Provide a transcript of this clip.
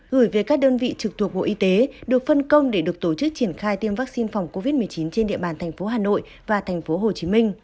gửi về các đơn vị trực thuộc bộ y tế được phân công để được tổ chức triển khai tiêm vaccine phòng covid một mươi chín trên địa bàn thành phố hà nội và thành phố hồ chí minh